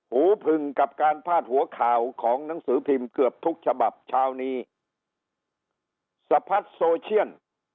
หูผึงกับการพาดหัวข่าวของหนังสือพิมพ์เกือบทุกฉบับเช้านี้สะพัดโซเชียน